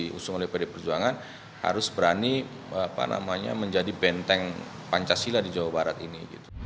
diusung oleh pd perjuangan harus berani menjadi benteng pancasila di jawa barat ini